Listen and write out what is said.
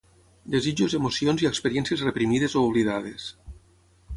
desitjos emocions i experiències reprimides o oblidades